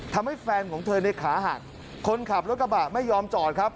ทำให้แฟนของเธอในขาหักคนขับรถกระบะไม่ยอมจอดครับ